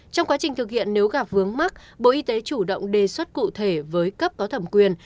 trong quá trình thực hiện nếu gặp vướng mắt bộ y tế chủ động đề xuất cụ thể với cấp có thẩm quyền